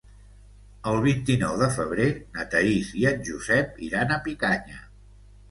El vint-i-nou de febrer na Thaís i en Josep iran a Picanya.